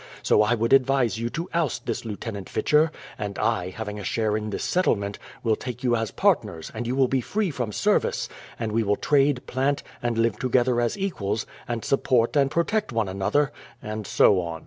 So I would advise you to oust this Lieutenant Fitcher; and I, having a share in this settlement, will take you as partners, and you will be free from service, and we will trade, plant, and live together as equals, and support and protect one another" — and so on.